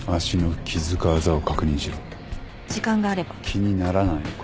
気にならないのか？